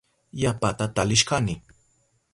Yapata talishkani.